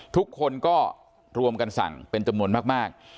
ทุกคนก็รวมกันสั่งเป็นจำนวนมาก